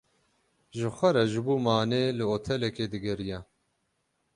Ji xwe re ji bo manê li otelekê digeriya.